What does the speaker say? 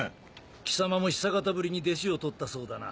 貴様もひさかたぶりに弟子を取ったそうだな。